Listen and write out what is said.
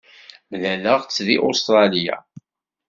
Mlaleɣ-tt deg Ustṛalya.